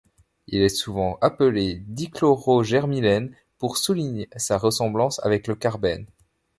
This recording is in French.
Il est souvent appelé dichlorogermylène pour souligne sa ressemblance avec le carbène.